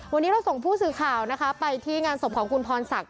วันนี้เราส่งผู้สื่อข่าวนะคะไปที่งานศพของคุณพรศักดิ